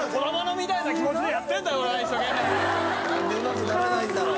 なんでうまくならないんだろう？